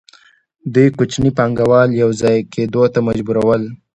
دوی کوچني پانګوال یوځای کېدو ته مجبورول